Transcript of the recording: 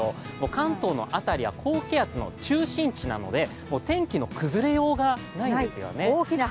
関東の辺りは高気圧の中心地なので、天気の崩れようがないんですよね。